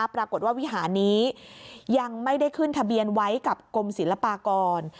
ปรากฏว่าวิหารนี้ยังไม่ได้ขึ้นทะเบียนไว้กับกรมศิลปากร